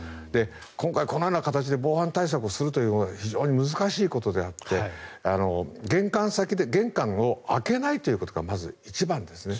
今回、このような形で防犯対策をするということは非常に難しいことであって玄関を開けないということがまず一番ですね。